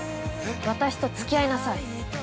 ◆私とつき合いなさい。